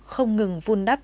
không ngừng vun đắp